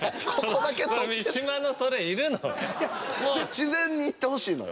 自然に言ってほしいのよ。